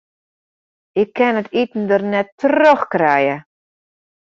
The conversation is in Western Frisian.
Ik kin it iten der net troch krije.